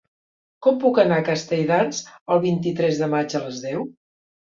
Com puc anar a Castelldans el vint-i-tres de maig a les deu?